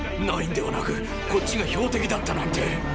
ナインではなくこっちが標的だったなんて。